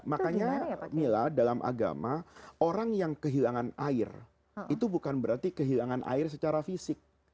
makanya mila dalam agama orang yang kehilangan air itu bukan berarti kehilangan air secara fisik